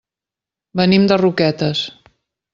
Venim de Roquetes.